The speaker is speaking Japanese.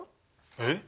えっ？